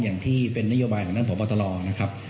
อย่างที่เป็นนโยบายของท่านพบตรนะครับ